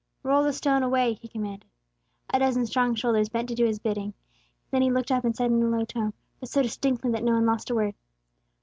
"Roll the stone away!" He commanded; a dozen strong shoulders bent to do His bidding. Then He looked up and spoke in a low tone, but so distinctly that no one lost a word.